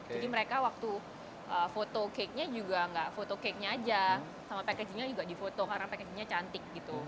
jadi mereka waktu foto cake nya juga tidak foto cake nya saja sama packaging nya juga di foto karena packaging nya cantik